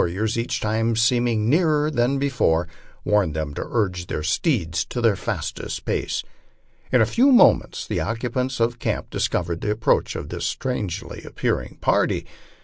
riors, each time seeming nearer than before, warned them to urge their steeds to their fastest pace. In a few moments the occupants of camp discovered the approach of this strangely appearing party.